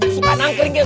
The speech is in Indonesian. suka nangkering kek